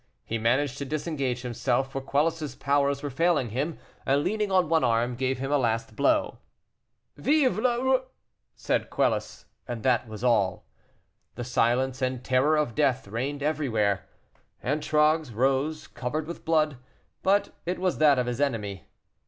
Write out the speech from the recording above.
He managed to disengage himself, for Quelus' powers were failing him, and, leaning on one arm, gave him a last blow. "Vive le r " said Quelus, and that was all. The silence and terror of death reigned everywhere. Antragues rose, covered with blood, but it was that of his enemy.